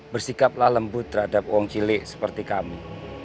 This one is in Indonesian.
bersikaplah lembut terhadap uang cilik seperti kami